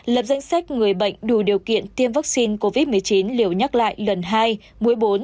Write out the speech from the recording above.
lập danh sách người bệnh đủ điều kiện tiêm vaccine covid một mươi chín liều nhắc lại lần hai mũi bốn